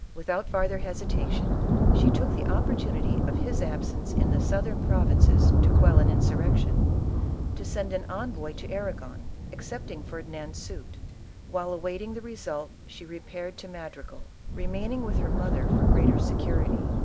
Without farther hesitation, she took the opportunity of his ab sence in the southern provinces to qut'll an insurrec tion, to send an envoy to Arragon, accepting Ferdi nand's suit. While awaiting the result she repaired to Madrigal, remaining with her mother for greater secu rity.